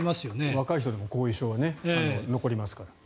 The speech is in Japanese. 若い人でも後遺症は残りますから。